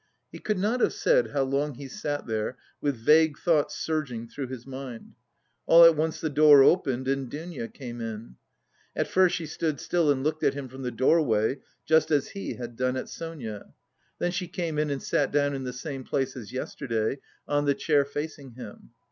He could not have said how long he sat there with vague thoughts surging through his mind. All at once the door opened and Dounia came in. At first she stood still and looked at him from the doorway, just as he had done at Sonia; then she came in and sat down in the same place as yesterday, on the chair facing him.